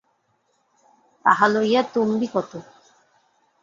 তাহা লইয়া তম্বি কত!